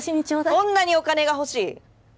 そんなにお金が欲しい？